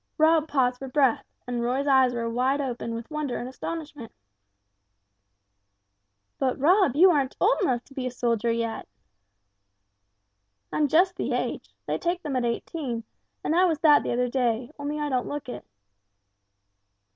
Rob paused for breath, and Roy's eyes were wide open with wonder and astonishment. "But, Rob, you aren't old enough to be a soldier yet!" "I'm just the age they take them at eighteen, and I was that the other day, only I don't look it."